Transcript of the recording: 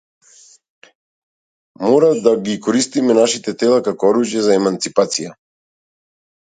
Мора да ги користиме нашите тела како оружје за еманципација.